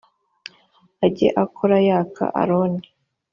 ajye ahora yaka aroni